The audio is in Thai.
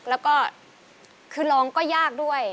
แล้วก็คือร้องก็ยากด้วย